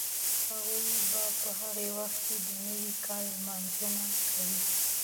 هغوی به په هغه وخت کې د نوي کال لمانځنه کوي.